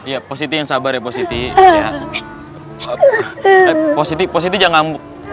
ya posisi yang sabar ya posisi posisi jangan